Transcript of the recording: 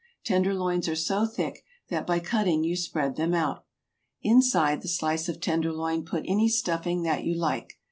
Tenderloins are so thick that by cutting you spread them out. Inside the slice of tenderloin put any stuffing that you like.